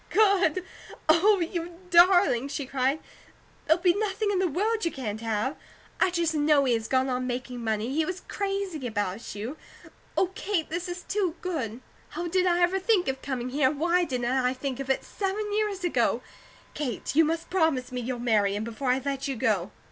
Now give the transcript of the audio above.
Good! Oh, you darling!" she cried. "There'll be nothing in the world you can't have! I just know he had gone on making money; he was crazy about you. Oh, Kate, this is too good! How did I ever think of coming here, and why didn't I think of it seven years ago? Kate, you must promise me you'll marry him, before I let you go."